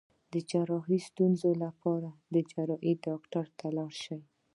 د جراحي ستونزو لپاره د جراح ډاکټر ته لاړ شئ